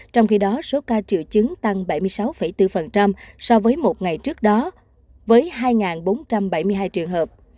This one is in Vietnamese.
trong khi đó số ca triệu chứng tăng bảy mươi sáu bốn so với một ngày trước đó với hai bốn trăm bảy mươi hai trường hợp